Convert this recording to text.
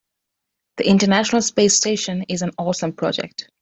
The international space station is an awesome project.